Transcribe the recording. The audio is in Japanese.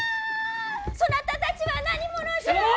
そなたたちは何者じゃ。